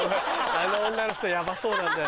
あの女の人ヤバそうなんだよな。